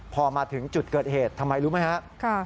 พอมาถึงจุดเกิดเหตุทำไมรู้ไหมครับ